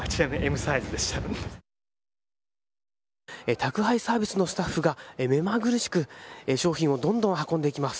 宅配サービスのスタッフが目まぐるしく商品をどんどん運んでいきます。